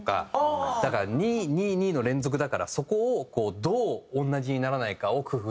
だから２２２の連続だからそこをどう同じにならないかを工夫。